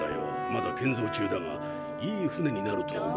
まだ建造中だがいい船になると思う。